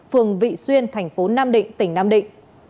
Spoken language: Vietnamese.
phường vị xuyên tp nam định tỉnh nam định